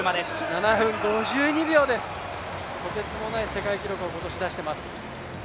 ７分５２秒です、とてつもない世界記録を今年出しています。